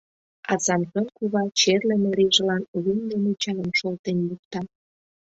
А Самсон кува черле марийжылан лум дене чайым шолтен йӱкта.